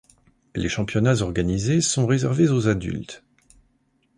Les championnats organisés sont réservés aux adultes.